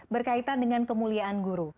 berkaitan dengan kemuliaan guru